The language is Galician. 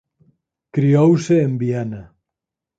Criouse en Viena.